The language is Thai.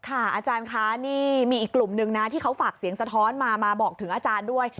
อาจารย์คะนี่มีอีกกลุ่มหนึ่งนะที่เขาฝากเสียงสะท้อนมามาบอกถึงอาจารย์ด้วย